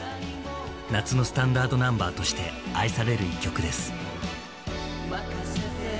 夏のスタンダードナンバーとして愛される一曲です。